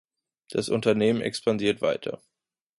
Das Unternehmen expandiert weiter.